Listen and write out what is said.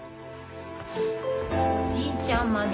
おじいちゃんまで。